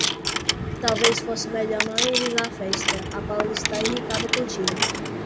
Talvez fosse melhor não ires à festa. A Paula está irritada contigo.